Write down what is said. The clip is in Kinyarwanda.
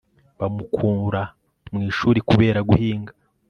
bamukura mu ishuri kubera guhinga